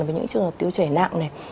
với những trường hợp tiêu chảy nặng này